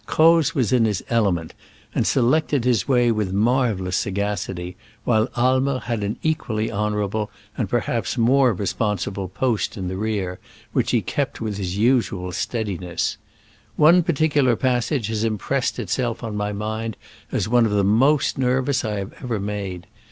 Croz was in his element, and selected his way with marvelous sagacity, while Aimer had an equally honorable, and perhaps more responsible, post in the rear, which he kept with his usual stead iness. ... One particular passage has impressed itself on my mind as one of the most nervous I have ever made.